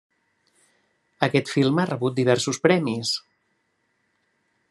Aquest film ha rebut diversos premis.